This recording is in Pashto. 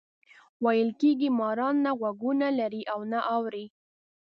ویل کېږي ماران نه غوږونه لري او نه اوري.